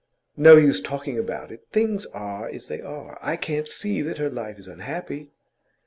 'No use talking about it. Things are as they are. I can't see that her life is unhappy.